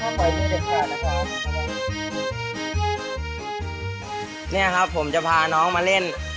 เนี่ยครับผมจะพาน้องมาเล่น